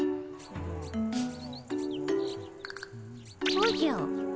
おじゃ。